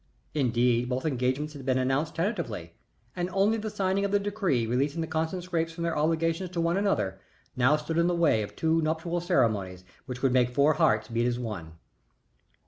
Indeed, both engagements had been announced tentatively, and only the signing of the decree releasing the Constant Scrappes from their obligations to one another now stood in the way of two nuptial ceremonies which would make four hearts beat as one.